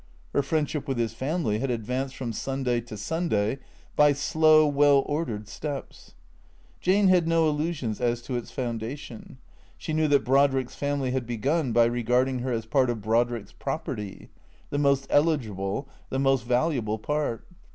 Her friendship with his family had advanced from Sunday to Sun day by slow, well ordered steps. Jane had no illusions as to its foundation. She knew that Brodrick's family had begun by regarding her as part of Brodrick's property, the most eligible, the most valuable part.